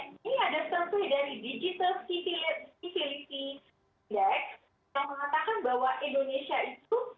ini ada survei dari digital civility index yang mengatakan bahwa indonesia itu